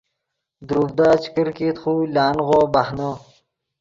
دروڤدا چے کرکیت خو لانغو بہنو